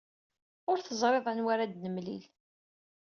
Ur teẓriḍ anwa ara d-nemlil.